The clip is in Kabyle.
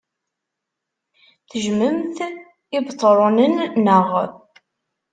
Tejjmemt Ibetṛunen, naɣ?